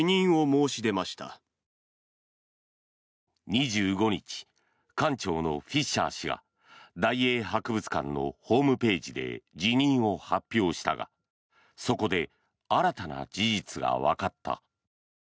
２５日館長のフィッシャー氏が大英博物館のホームページで辞任を発表したがそこで新たな事実がわかった。